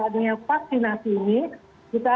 adanya vaksinasi ini kita